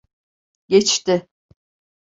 Geçti.